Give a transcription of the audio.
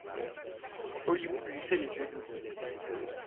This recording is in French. Hollywood lui fait les yeux doux.